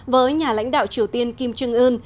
với nhà lãnh đạo triều tiên kim trương ươn